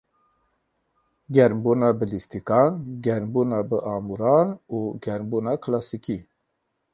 Germbûna bi lîstikan, germbûna bi amûran û germbûna kilasîkî.